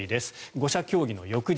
５者協議の翌日。